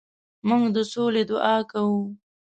موږ د سولې دعا کوو.